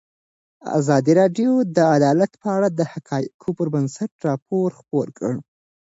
ازادي راډیو د عدالت په اړه د حقایقو پر بنسټ راپور خپور کړی.